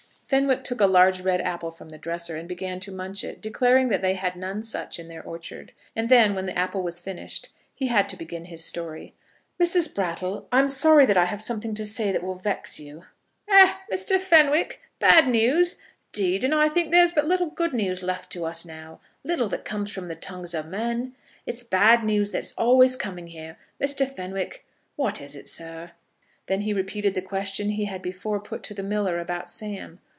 Fenwick took a large, red apple from the dresser, and began to munch, it, declaring that they had none such in their orchard. And then, when the apple was finished, he had to begin his story. "Mrs. Brattle, I'm sorry that I have something to say that will vex you." "Eh, Mr. Fenwick! Bad news? 'Deed and I think there's but little good news left to us now, little that comes from the tongues of men. It's bad news that is always coming here. Mr. Fenwick, what is it, sir?" Then he repeated the question he had before put to the miller about Sam.